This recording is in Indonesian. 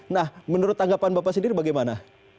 nah menurut tanggapan bapak sendiri bagaimana